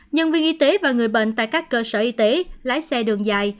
nhân viên y tế và người bệnh tại các cơ sở y tế lái xe đường dài